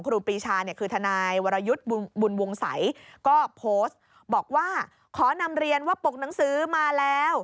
ก็โพสต์บอกว่าขอนำเรียนว่าปกหนังสือมาแล้ว